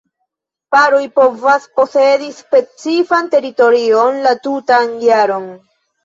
Paroj povas posedi specifan teritorion la tutan jaron.